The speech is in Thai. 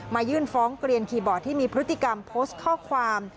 ยื่นฟ้องเกลียนคีย์บอร์ดที่มีพฤติกรรมโพสต์ข้อความ